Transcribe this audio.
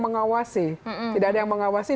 mengawasi tidak ada yang mengawasi